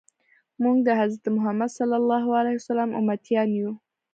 موږ د حضرت محمد صلی الله علیه وسلم امتیان یو.